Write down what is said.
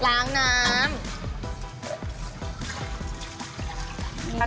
ล้างน้ำ